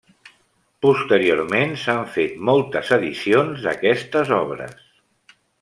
Posteriorment s'han fet moltes edicions d'aquestes obres.